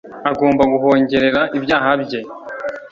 agomba guhongerera ibyaha bye